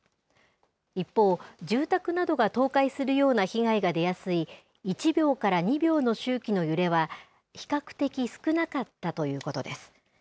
一方、住宅などが倒壊するような被害が出やすい、１秒から２秒の周期の揺れは、比較的少なかったということです。